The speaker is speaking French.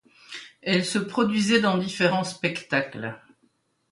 Elle se produisait dans différents spectacles.